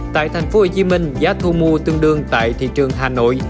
tại tp hcm giá thu mua tương đương tại thị trường hà nội